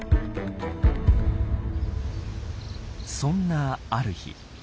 そんなある日。